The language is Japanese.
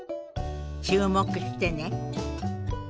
注目してね。